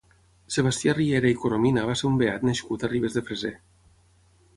Sebastià Riera i Coromina va ser un beat nascut a Ribes de Freser.